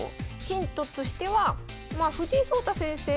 ヒントとしては藤井聡太先生